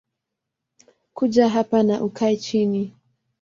Kuja hapa na ukae chini